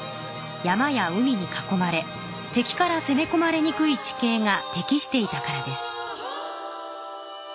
山や海に囲まれ敵からせめこまれにくい地形が適していたからです。